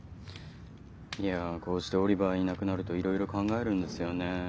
いやこうしてオリバーいなくなるといろいろ考えるんですよね。